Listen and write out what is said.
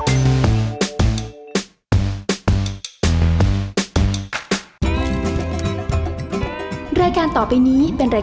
แอร์โหลดแล้วคุณล่ะโหลดแล้ว